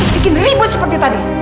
bikin ribut seperti tadi